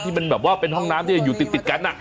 มันแบบว่าเป็นห้องน้ำที่อยู่ติดกัน